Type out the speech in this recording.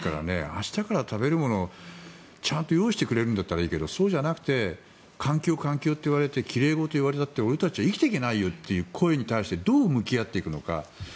明日から食べるものちゃんと用意してくれるならいいけどそうじゃなくて環境、環境といわれて奇麗事を言われたって俺たちは生きていけないよという声に対してどう向き合っていくのか。